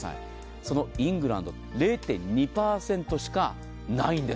そのイングランド、０．２％しかないんです。